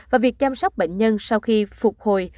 và việc chăm sóc bệnh nhân sau khi phục hồi